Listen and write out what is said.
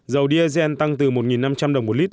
dầu diesel tăng từ một năm trăm linh đồng một lít